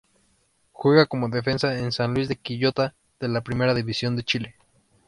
Juega como Defensa en San Luis de Quillota de la Primera División de Chile.